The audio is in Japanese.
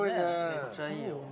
めっちゃいいよ。